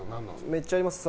めっちゃあります。